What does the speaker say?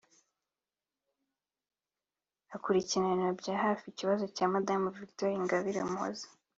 Akurikiranira bya hafi ikibazo cya Madame Victoire Ingabire Umuhoza